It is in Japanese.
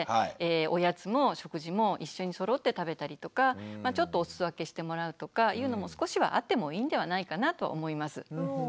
おやつも食事も一緒にそろって食べたりとかちょっとお裾分けしてもらうとかいうのも少しはあってもいいんではないかなと思います。